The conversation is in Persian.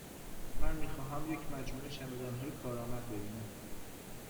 من می خواهم یک مجموعه چمدانهای کارآمد ببینم.